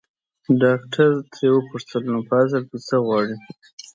ډاکټر ترې وپوښتل نو ته په اصل کې څه غواړې.